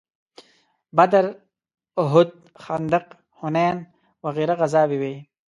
بدر، احد، خندق، حنین وغیره غزاوې وې.